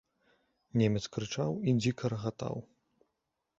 Немец крычаў і дзіка рагатаў.